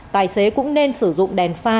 tài xế cũng nên sử dụng đèn pha